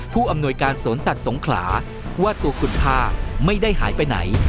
ผู้อำนวยการสวนสัตว์สงขลาว่าตัวคุณพาไม่ได้หายไปไหน